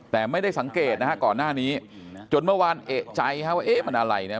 แต่ไม่ได้สังเกตนะฮะก่อนหน้านี้จนเมื่อวานเอกใจฮะว่าเอ๊ะมันอะไรเนี่ย